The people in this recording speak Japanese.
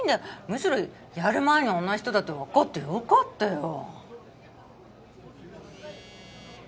むしろやる前にあんな人だって分かってよかったよ。